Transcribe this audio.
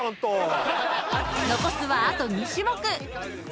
［残すはあと２種目］